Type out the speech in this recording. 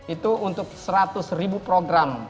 itu untuk seratus ribu program